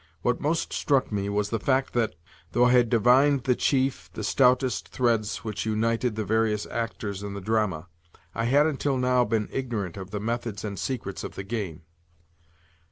What most struck me was the fact that, though I had divined the chief, the stoutest, threads which united the various actors in the drama, I had, until now, been ignorant of the methods and secrets of the game.